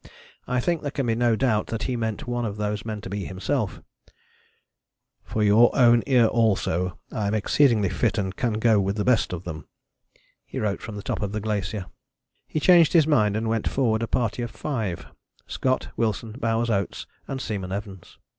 I think there can be no doubt that he meant one of those men to be himself: "for your own ear also, I am exceedingly fit and can go with the best of them," he wrote from the top of the glacier. He changed his mind and went forward a party of five: Scott, Wilson, Bowers, Oates and Seaman Evans.